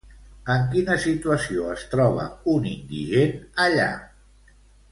En quina situació es troba un indigent allà?